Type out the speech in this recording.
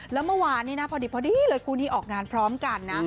แล้วเมื่อวานนี้นะพอดีเลยคู่นี้ออกงานพร้อมกันนะ